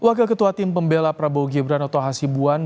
wakil ketua tim pembela prabowo gibran oto hasibuan